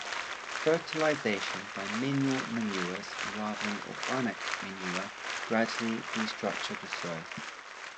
Fertilization by mineral manures rather than organic manure gradually destructure the soil.